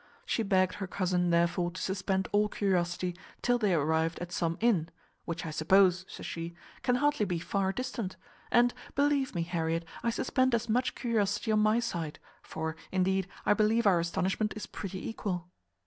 She begged her cousin therefore to suspend all curiosity till they arrived at some inn, "which I suppose," says she, "can hardly be far distant; and, believe me, Harriet, I suspend as much curiosity on my side; for, indeed, I believe our astonishment is pretty equal."